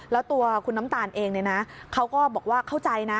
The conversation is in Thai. แล้วตัวคุณน้ำตาลเองเนี่ยนะเขาก็บอกว่าเข้าใจนะ